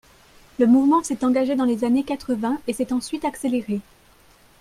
Le mouvement s’est engagé dans les années quatre-vingts et s’est ensuite accéléré.